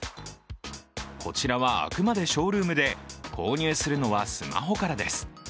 こちらは、あくまでショールームで購入するのはスマホからです。